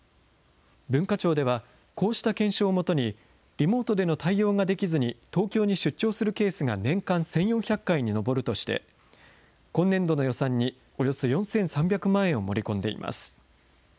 文化庁では、こうした検証をもとに、リモートでの対応ができずに東京に出張するケースが年間１４００回に上るとして、今年度の予算におよそ４３００万円を盛り込んでいます。